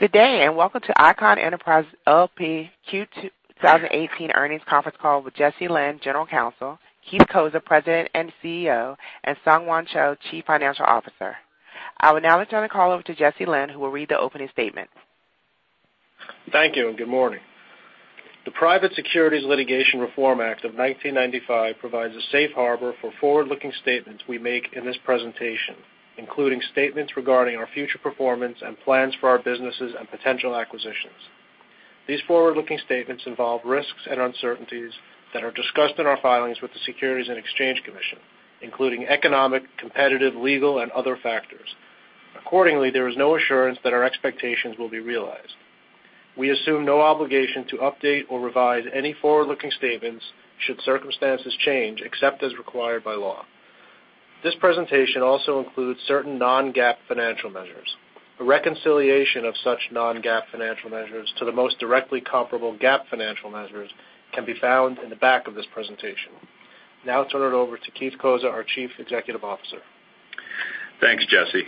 Good day, and welcome to Icahn Enterprises L.P. Q2 2018 earnings conference call with Jesse Lynn, General Counsel, Keith Cozza, President and CEO, and SungHwan Cho, Chief Financial Officer. I will now turn the call over to Jesse Lynn, who will read the opening statement. Thank you. Good morning. The Private Securities Litigation Reform Act of 1995 provides a safe harbor for forward-looking statements we make in this presentation, including statements regarding our future performance and plans for our businesses and potential acquisitions. These forward-looking statements involve risks and uncertainties that are discussed in our filings with the Securities and Exchange Commission, including economic, competitive, legal, and other factors. Accordingly, there is no assurance that our expectations will be realized. We assume no obligation to update or revise any forward-looking statements should circumstances change, except as required by law. This presentation also includes certain non-GAAP financial measures. A reconciliation of such non-GAAP financial measures to the most directly comparable GAAP financial measures can be found in the back of this presentation. I'll turn it over to Keith Cozza, our Chief Executive Officer. Thanks, Jesse.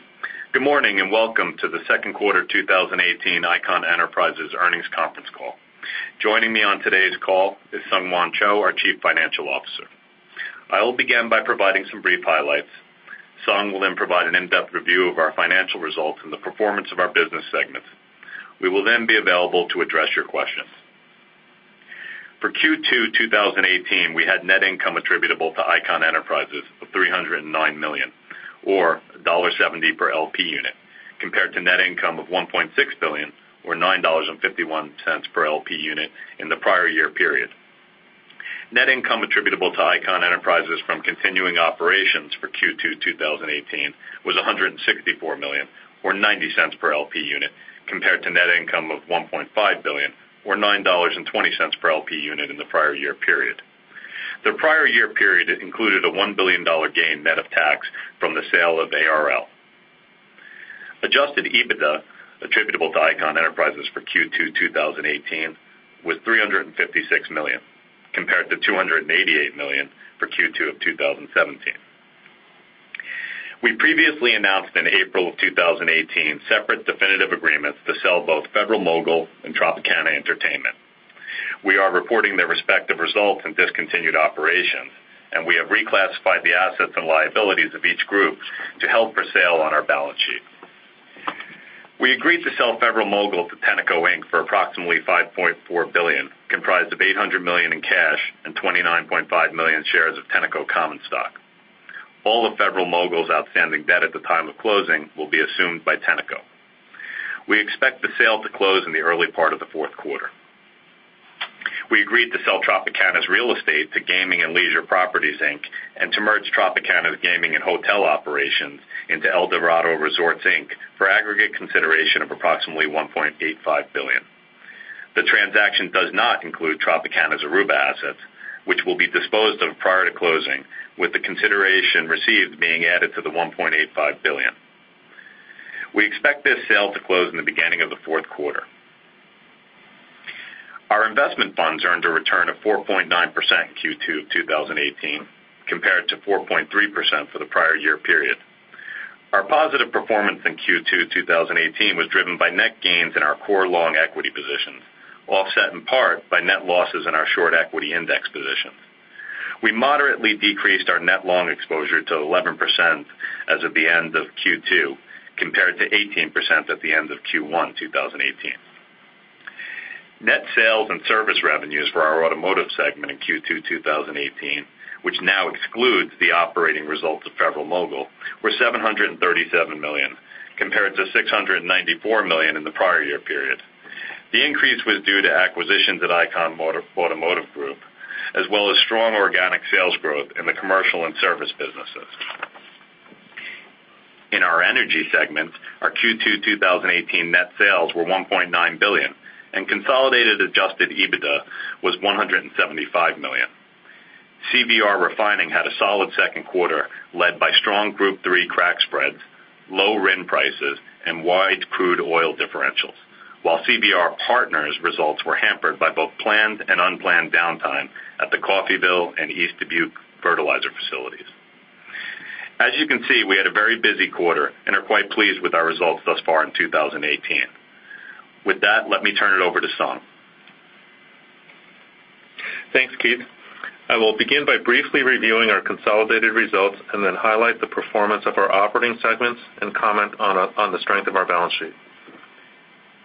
Good morning. Welcome to the second quarter 2018 Icahn Enterprises earnings conference call. Joining me on today's call is SungHwan Cho, our Chief Financial Officer. I will begin by providing some brief highlights. Sung will then provide an in-depth review of our financial results and the performance of our business segments. We will then be available to address your questions. For Q2 2018, we had net income attributable to Icahn Enterprises of $309 million, or $1.70 per L.P. unit, compared to net income of $1.6 billion or $9.51 per L.P. unit in the prior year period. Net income attributable to Icahn Enterprises from continuing operations for Q2 2018 was $164 million or $0.90 per L.P. unit, compared to net income of $1.5 billion or $9.20 per L.P. unit in the prior year period. The prior year period included a $1 billion gain net of tax from the sale of ARL. Adjusted EBITDA attributable to Icahn Enterprises for Q2 2018 was $356 million, compared to $288 million for Q2 of 2017. We previously announced in April of 2018 separate definitive agreements to sell both Federal-Mogul and Tropicana Entertainment. We are reporting their respective results in discontinued operations, and we have reclassified the assets and liabilities of each group to held for sale on our balance sheet. We agreed to sell Federal-Mogul to Tenneco Inc. for approximately $5.4 billion, comprised of $800 million in cash and 29.5 million shares of Tenneco common stock. All of Federal-Mogul's outstanding debt at the time of closing will be assumed by Tenneco. We expect the sale to close in the early part of the fourth quarter. We agreed to sell Tropicana's real estate to Gaming and Leisure Properties, Inc. To merge Tropicana's gaming and hotel operations into Eldorado Resorts, Inc. for aggregate consideration of approximately $1.85 billion. The transaction does not include Tropicana's Aruba assets, which will be disposed of prior to closing, with the consideration received being added to the $1.85 billion. We expect this sale to close in the beginning of the fourth quarter. Our investment funds earned a return of 4.9% in Q2 2018, compared to 4.3% for the prior year period. Our positive performance in Q2 2018 was driven by net gains in our core long equity positions, offset in part by net losses in our short equity index positions. We moderately decreased our net long exposure to 11% as of the end of Q2, compared to 18% at the end of Q1 2018. Net sales and service revenues for our Automotive segment in Q2 2018, which now excludes the operating results of Federal-Mogul, were $737 million, compared to $694 million in the prior year period. The increase was due to acquisitions at Icahn Automotive Group, as well as strong organic sales growth in the commercial and service businesses. In our Energy segments, our Q2 2018 net sales were $1.9 billion, and consolidated adjusted EBITDA was $175 million. CVR Refining had a solid second quarter led by strong Group 3 crack spreads, low RIN prices, and wide crude oil differentials. While CVR Partners results were hampered by both planned and unplanned downtime at the Coffeyville and East Dubuque fertilizer facilities. As you can see, we had a very busy quarter and are quite pleased with our results thus far in 2018. With that, let me turn it over to Sung. Thanks, Keith. I will begin by briefly reviewing our consolidated results and then highlight the performance of our operating segments and comment on the strength of our balance sheet.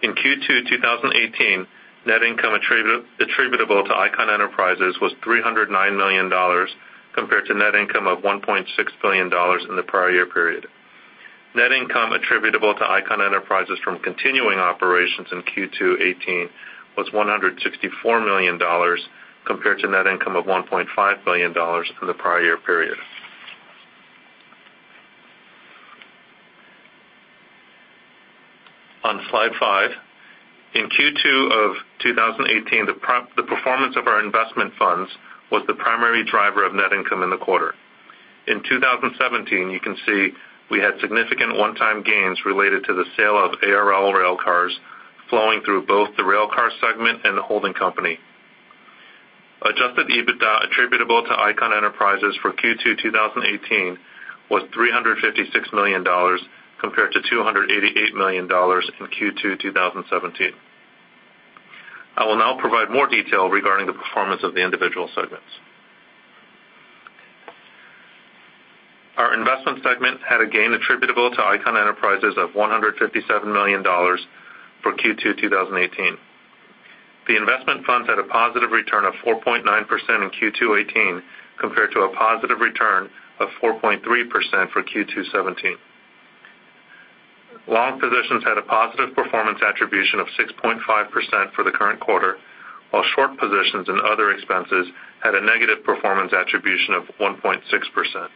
In Q2 2018, net income attributable to Icahn Enterprises was $309 million, compared to net income of $1.6 billion in the prior year period. Net income attributable to Icahn Enterprises from continuing operations in Q2 2018 was $164 million, compared to net income of $1.5 billion in the prior year period. On slide five, in Q2 of 2018, the performance of our investment funds was the primary driver of net income in the quarter. In 2017, you can see we had significant one-time gains related to the sale of ARL railcars flowing through both the Railcar segment and the holding company. Adjusted EBITDA attributable to Icahn Enterprises for Q2 2018 was $356 million compared to $288 million in Q2 2017. I will now provide more detail regarding the performance of the individual segments. Our investment segment had a gain attributable to Icahn Enterprises of $157 million for Q2 2018. The investment funds had a positive return of 4.9% in Q2 2018, compared to a positive return of 4.3% for Q2 2017. Long positions had a positive performance attribution of 6.5% for the current quarter, while short positions and other expenses had a negative performance attribution of 1.6%.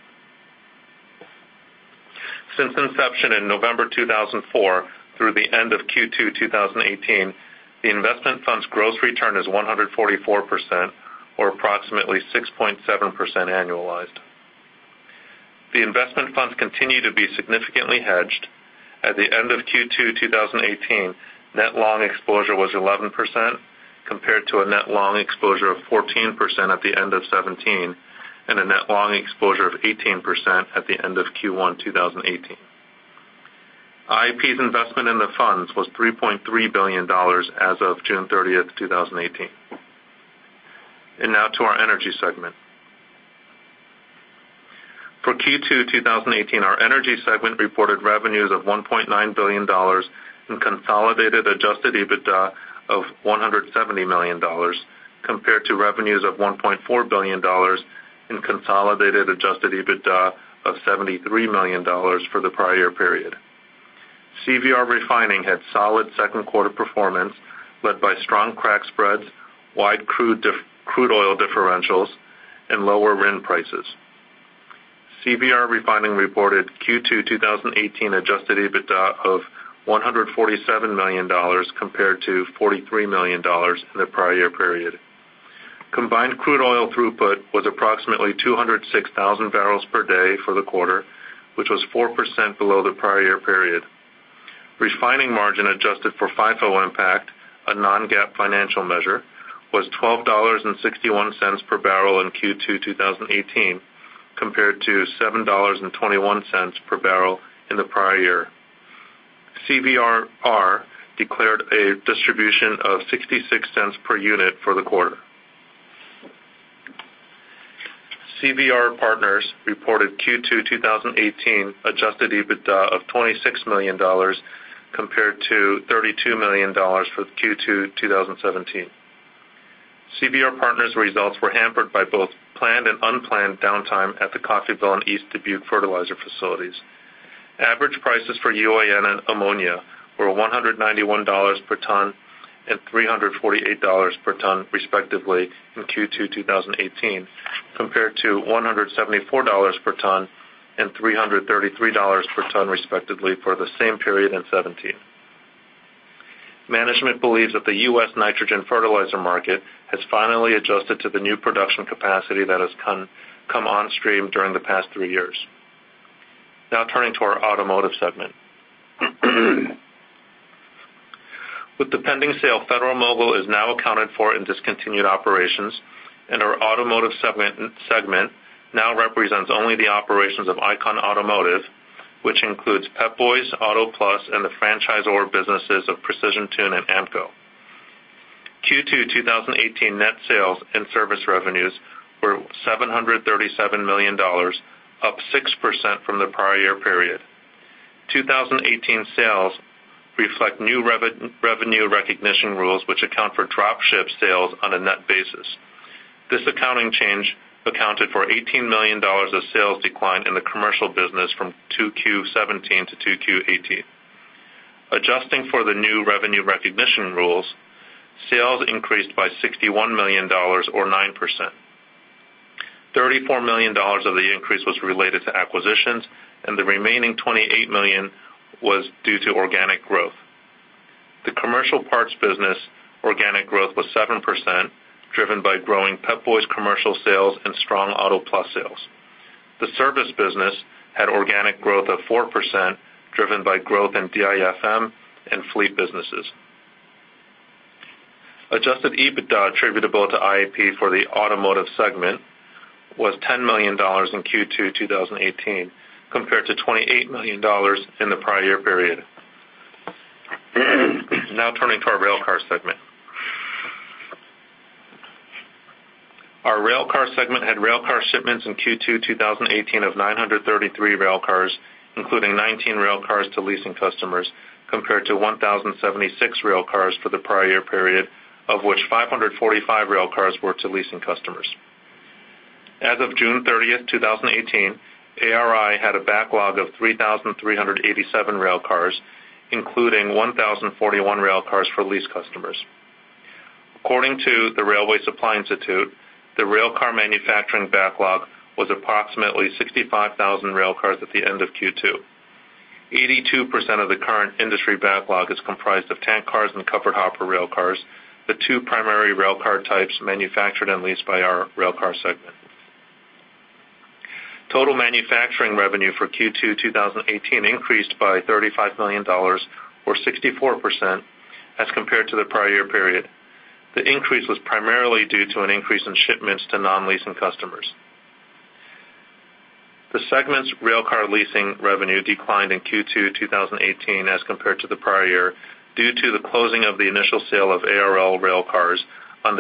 Since inception in November 2004 through the end of Q2 2018, the investment fund's gross return is 144%, or approximately 6.7% annualized. The investment funds continue to be significantly hedged. At the end of Q2 2018, net long exposure was 11%, compared to a net long exposure of 14% at the end of 2017, and a net long exposure of 18% at the end of Q1 2018. IEP's investment in the funds was $3.3 billion as of June 30th, 2018. Now to our energy segment. For Q2 2018, our energy segment reported revenues of $1.9 billion in consolidated adjusted EBITDA of $170 million, compared to revenues of $1.4 billion in consolidated adjusted EBITDA of $73 million for the prior period. CVR Refining had solid second quarter performance led by strong crack spreads, wide crude oil differentials and lower RIN prices. CVR Refining reported Q2 2018 adjusted EBITDA of $147 million compared to $43 million in the prior year period. Combined crude oil throughput was approximately 206,000 barrels per day for the quarter, which was 4% below the prior year period. Refining margin adjusted for FIFO impact, a non-GAAP financial measure, was $12.61 per barrel in Q2 2018, compared to $7.21 per barrel in the prior year. CVRR declared a distribution of $0.66 per unit for the quarter. CVR Partners reported Q2 2018 adjusted EBITDA of $26 million compared to $32 million for Q2 2017. CVR Partners results were hampered by both planned and unplanned downtime at the Coffeyville and East Dubuque fertilizer facilities. Average prices for UAN and ammonia were $191 per ton and $348 per ton respectively in Q2 2018, compared to $174 per ton and $333 per ton respectively for the same period in 2017. Management believes that the U.S. nitrogen fertilizer market has finally adjusted to the new production capacity that has come on stream during the past three years. Now turning to our automotive segment. With the pending sale, Federal-Mogul is now accounted for in discontinued operations, our automotive segment now represents only the operations of Icahn Automotive, which includes Pep Boys, Auto Plus and the franchisor businesses of Precision Tune and AAMCO. Q2 2018 net sales and service revenues were $737 million, up 6% from the prior year period. 2018 sales reflect new revenue recognition rules which account for drop ship sales on a net basis. This accounting change accounted for $18 million of sales decline in the commercial business from 2Q 2017 to 2Q 2018. Adjusting for the new revenue recognition rules, sales increased by $61 million or 9%. $34 million of the increase was related to acquisitions, and the remaining $28 million was due to organic growth. The commercial parts business organic growth was 7% driven by growing Pep Boys commercial sales and strong Auto Plus sales. The service business had organic growth of 4% driven by growth in DIFM and fleet businesses. Adjusted EBITDA attributable to IEP for the automotive segment was $10 million in Q2 2018 compared to $28 million in the prior year period. Now turning to our railcar segment. Our railcar segment had railcar shipments in Q2 2018 of 933 railcars, including 19 railcars to leasing customers, compared to 1,076 railcars for the prior year period, of which 545 railcars were to leasing customers. As of June 30th, 2018, ARI had a backlog of 3,387 railcars, including 1,041 railcars for lease customers. According to the Railway Supply Institute, the railcar manufacturing backlog was approximately 65,000 railcars at the end of Q2. 82% of the current industry backlog is comprised of tank cars and covered hopper railcars, the two primary railcar types manufactured and leased by our railcar segment. Total manufacturing revenue for Q2 2018 increased by $35 million, or 64%, as compared to the prior year period. The increase was primarily due to an increase in shipments to non-leasing customers. The segment's railcar leasing revenue declined in Q2 2018 as compared to the prior year, due to the closing of the initial sale of ARL railcars on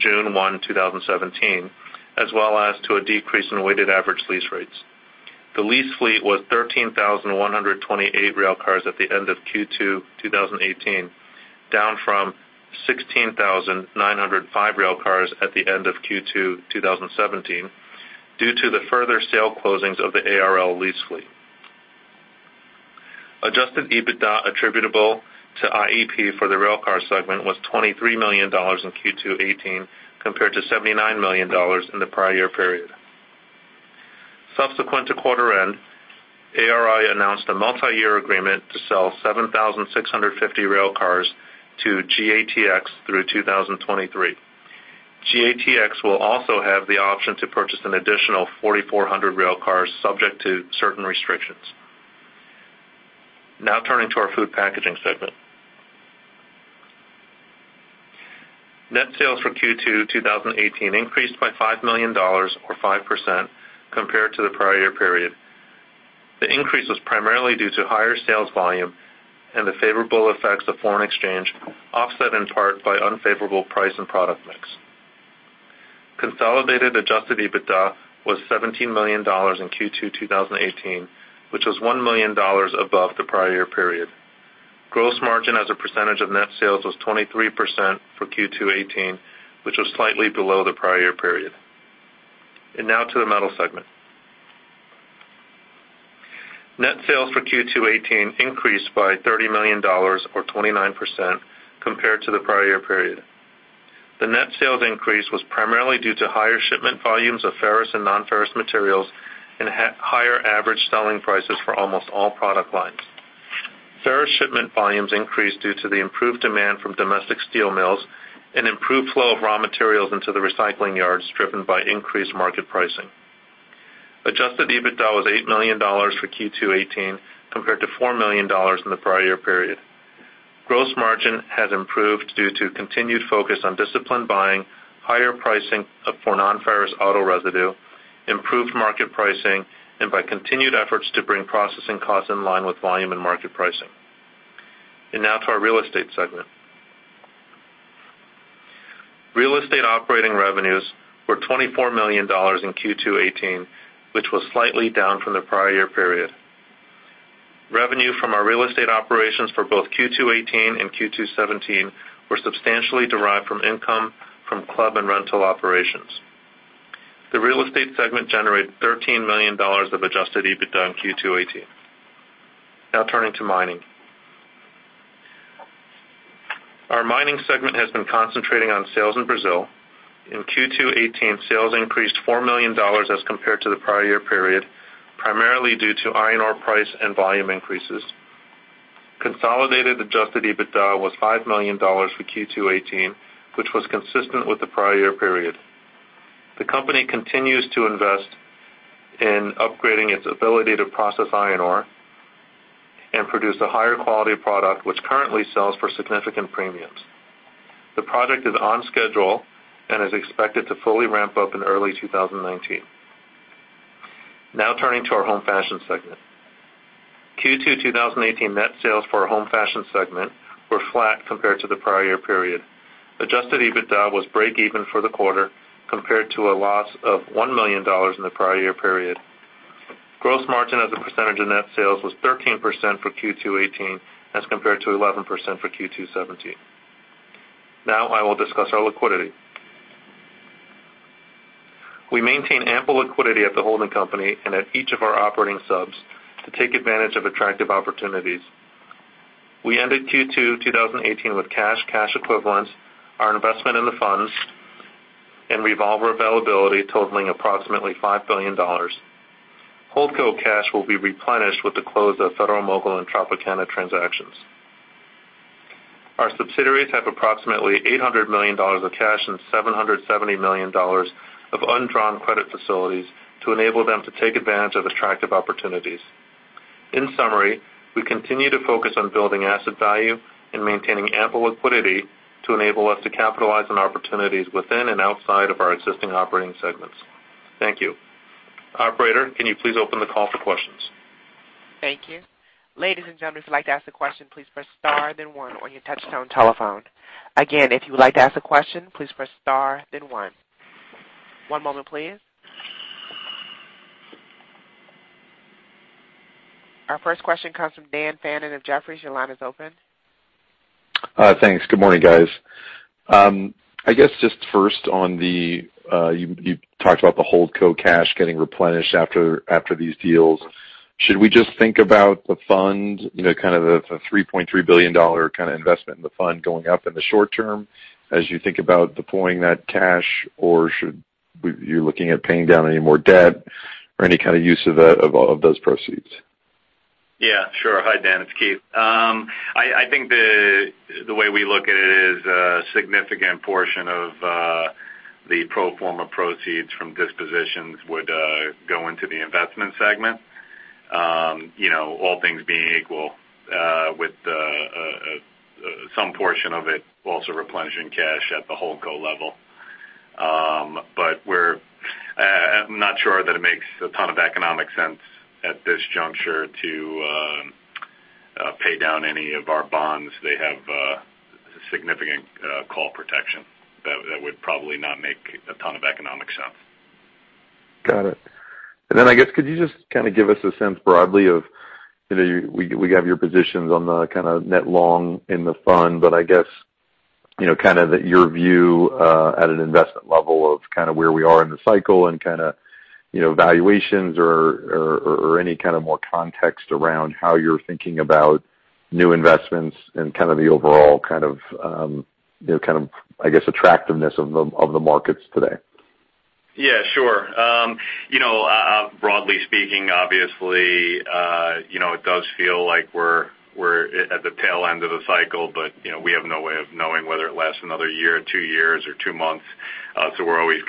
June 1, 2017, as well as to a decrease in weighted average lease rates. The lease fleet was 13,128 railcars at the end of Q2 2018, down from 16,905 railcars at the end of Q2 2017 due to the further sale closings of the ARL lease fleet. Adjusted EBITDA attributable to IEP for the Railcar segment was $23 million in Q2 '18, compared to $79 million in the prior year period. Subsequent to quarter end, ARI announced a multi-year agreement to sell 7,650 railcars to GATX through 2023. GATX will also have the option to purchase an additional 4,400 railcars, subject to certain restrictions. Now turning to our Food Packaging segment. Net sales for Q2 2018 increased by $5 million, or 5%, compared to the prior year period. The increase was primarily due to higher sales volume and the favorable effects of foreign exchange, offset in part by unfavorable price and product mix. Consolidated Adjusted EBITDA was $17 million in Q2 2018, which was $1 million above the prior year period. Gross margin as a percentage of net sales was 23% for Q2 '18, which was slightly below the prior year period. Now to the Metal segment. Net sales for Q2 '18 increased by $30 million, or 29%, compared to the prior year period. The net sales increase was primarily due to higher shipment volumes of ferrous and non-ferrous materials, and higher average selling prices for almost all product lines. Ferrous shipment volumes increased due to the improved demand from domestic steel mills, and improved flow of raw materials into the recycling yards, driven by increased market pricing. Adjusted EBITDA was $8 million for Q2 '18, compared to $4 million in the prior year period. Gross margin has improved due to continued focus on disciplined buying, higher pricing for non-ferrous auto residue, improved market pricing, and by continued efforts to bring processing costs in line with volume and market pricing. Now to our Real Estate segment. Real Estate operating revenues were $24 million in Q2 '18, which was slightly down from the prior year period. Revenue from our Real Estate operations for both Q2 '18 and Q2 '17 were substantially derived from income from club and rental operations. The Real Estate segment generated $13 million of Adjusted EBITDA in Q2 '18. Now turning to Mining. Our Mining segment has been concentrating on sales in Brazil. In Q2 '18, sales increased $4 million as compared to the prior year period, primarily due to iron ore price and volume increases. Consolidated Adjusted EBITDA was $5 million for Q2 '18, which was consistent with the prior year period. The company continues to invest in upgrading its ability to process iron ore and produce a higher quality product, which currently sells for significant premiums. The project is on schedule and is expected to fully ramp up in early 2019. Now turning to our Home Fashion segment. Q2 2018 net sales for our Home Fashion segment were flat compared to the prior year period. Adjusted EBITDA was break even for the quarter, compared to a loss of $1 million in the prior year period. Gross margin as a percentage of net sales was 13% for Q2 '18 as compared to 11% for Q2 '17. I will discuss our liquidity. We maintain ample liquidity at the holding company and at each of our operating subs to take advantage of attractive opportunities. We ended Q2 2018 with cash equivalents, our investment in the funds, and revolver availability totaling approximately $5 billion. Holdco cash will be replenished with the close of Federal-Mogul and Tropicana transactions. Our subsidiaries have approximately $800 million of cash and $770 million of undrawn credit facilities to enable them to take advantage of attractive opportunities. In summary, we continue to focus on building asset value and maintaining ample liquidity to enable us to capitalize on opportunities within and outside of our existing operating segments. Thank you. Operator, can you please open the call for questions? Thank you. Ladies and gentlemen, if you'd like to ask a question, please press star then one on your touch-tone telephone. Again, if you would like to ask a question, please press star then one. One moment, please. Our first question comes from Dan Fannon of Jefferies. Your line is open. You talked about the Holdco cash getting replenished after these deals. Should we just think about the fund, kind of the $3.3 billion kind of investment in the fund going up in the short term as you think about deploying that cash? Or should you be looking at paying down any more debt or any kind of use of those proceeds? Yeah, sure. Hi, Dan, it's Keith. I think the way we look at it is a significant portion of the pro forma proceeds from dispositions would go into the investment segment. All things being equal, with some portion of it also replenishing cash at the whole co level. I'm not sure that it makes a ton of economic sense at this juncture to pay down any of our bonds. They have a significant call protection that would probably not make a ton of economic sense. Got it. I guess, could you just give us a sense broadly of, we have your positions on the net long in the fund, but I guess, your view at an investment level of where we are in the cycle and valuations or any more context around how you're thinking about new investments and the overall attractiveness of the markets today. Yeah, sure. Broadly speaking, obviously, it does feel like we're at the tail end of the cycle, but we have no way of knowing whether it lasts another year, two years, or two months. We're always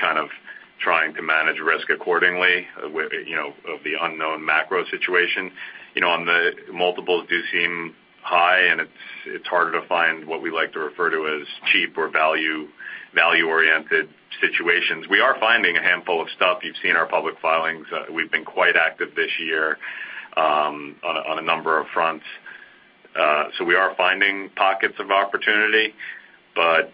trying to manage risk accordingly of the unknown macro situation. The multiples do seem high, and it's harder to find what we like to refer to as cheap or value-oriented situations. We are finding a handful of stuff. You've seen our public filings. We've been quite active this year on a number of fronts. We are finding pockets of opportunity, but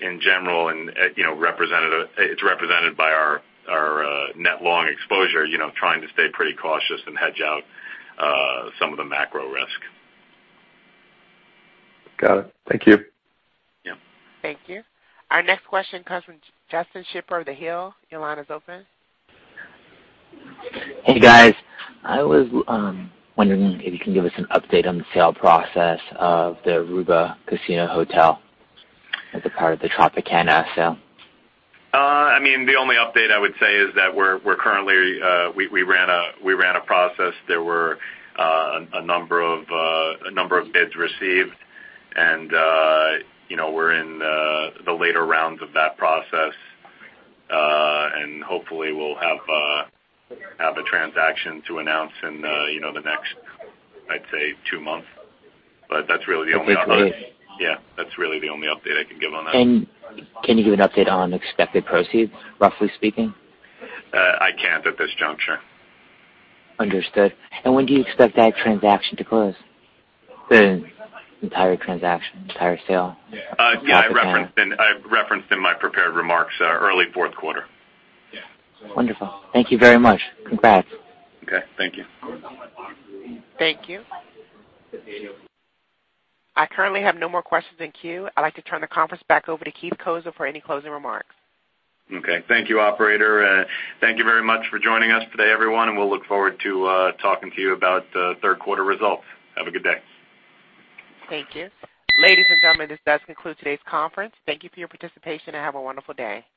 in general, it's represented by our net long exposure, trying to stay pretty cautious and hedge out some of the macro risk. Got it. Thank you. Yeah. Thank you. Our next question comes from [Justin Schiffer of The Hill]. Your line is open. Hey, guys. I was wondering if you can give us an update on the sale process of the Aruba Casino Hotel as a part of the Tropicana sale. The only update I would say is that we ran a process. There were a number of bids received, and we're in the later rounds of that process. Hopefully we'll have a transaction to announce in the next, I'd say, two months. That's really the only update. That's it? Yeah. That's really the only update I can give on that. Can you give an update on expected proceeds, roughly speaking? I can't at this juncture. Understood. When do you expect that transaction to close? The entire transaction, entire sale. Yeah. I referenced in my prepared remarks, early fourth quarter. Wonderful. Thank you very much. Congrats. Okay. Thank you. Thank you. I currently have no more questions in queue. I'd like to turn the conference back over to Keith Cozza for any closing remarks. Okay. Thank you, operator. Thank you very much for joining us today, everyone, and we'll look forward to talking to you about third quarter results. Have a good day. Thank you. Ladies and gentlemen, this does conclude today's conference. Thank you for your participation, and have a wonderful day.